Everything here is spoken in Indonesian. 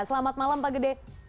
selamat malam pak gede